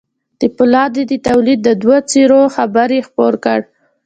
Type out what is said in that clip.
د پولادو د توليد د دوو څېرو خبر يې خپور کړ.